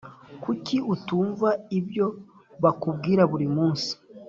kuki utumva ibyo bakumbwira buri munsi